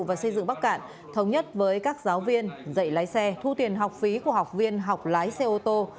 và xây dựng bắc cạn thống nhất với các giáo viên dạy lái xe thu tiền học phí của học viên học lái xe ô tô